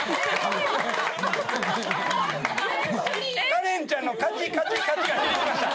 カレンちゃんのカチカチカチが響きました。